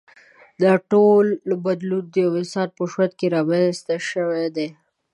دا ټول بدلونونه د یوه انسان په ژوند کې رامنځته شوي دي.